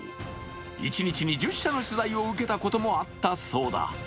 一日に１０社の取材を受けたこともあったそうだ。